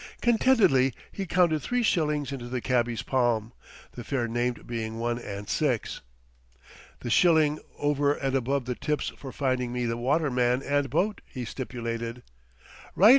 Contentedly he counted three shillings into the cabby's palm the fare named being one and six. "The shilling over and above the tip's for finding me the waterman and boat," he stipulated. "Right o.